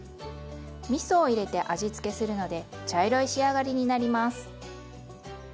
みそを入れて味付けするので茶色い仕上がりになります。